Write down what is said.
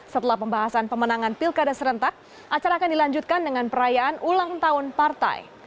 setelah pembahasan pemenangan pilkada serentak acara akan dilanjutkan dengan perayaan ulang tahun partai